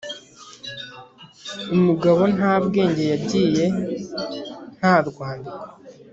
Umugabo ntabwenge yagiye ntarwandiko